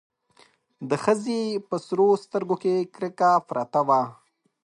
د ښځې په سرو سترګو کې کرکه پرته وه.